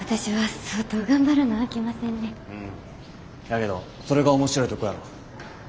やけどそれが面白いとこやろ。